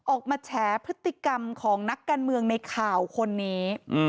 แฉพฤติกรรมของนักการเมืองในข่าวคนนี้